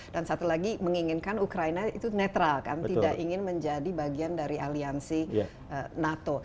satu lagi menginginkan ukraina itu netral kan tidak ingin menjadi bagian dari aliansi nato